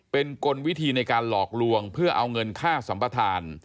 เป็นกลวิธีในการหลอกลวงเพื่อเอาเงินค่าสัมปทาน